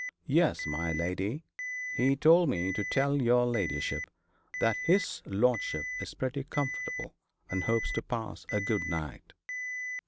'Yes, my lady. He told me to tell your ladyship that his lordship is pretty comfortable, and hopes to pass a good night.'